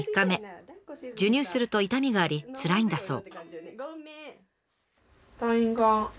授乳すると痛みがありつらいんだそう。